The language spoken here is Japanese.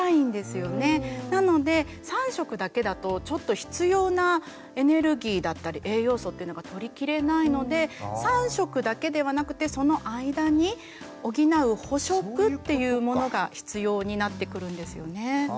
なので３食だけだとちょっと必要なエネルギーだったり栄養素っていうのが取りきれないので３食だけではなくてその間に補う補食っていうものが必要になってくるんですよね。